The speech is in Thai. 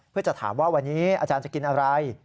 เพื่อจะถามว่าวันนี้อาจารย์จะกินอะไร